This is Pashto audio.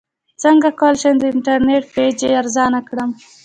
څنګه کولی شم د انټرنیټ پیکج ارزانه کړم